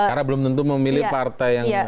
karena belum tentu memilih partai yang